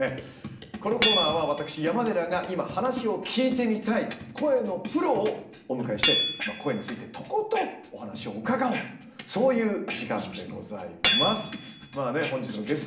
このコーナーは私山寺が今話を聞いてみたい声のプロをお迎えして声についてとことんお話を伺おうとそういう時間でございます。